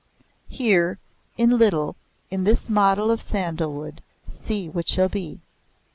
Here, in little, in this model of sandalwood, see what shall be.